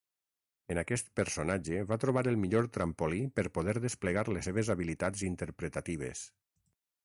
En aquest personatge va trobar el millor trampolí per poder desplegar les seves habilitats interpretatives.